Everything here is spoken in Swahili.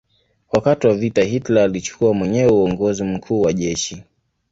Wakati wa vita Hitler alichukua mwenyewe uongozi mkuu wa jeshi.